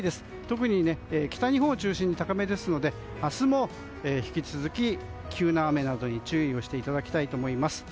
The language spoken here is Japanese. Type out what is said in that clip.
特に北日本を中心に高めですので明日も、引き続き急な雨などに注意していただきたいと思います。